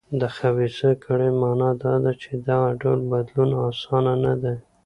د خبیثه کړۍ معنا دا ده چې دغه ډول بدلون اسانه نه دی.